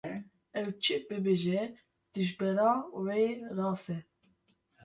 Ew çi bibêje, dijbera wê rast e.